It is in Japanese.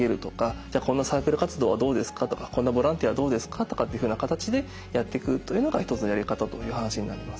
「じゃあこんなサークル活動はどうですか？」とか「こんなボランティアはどうですか？」とかっていうふうな形でやってくっていうのが一つのやり方という話になります。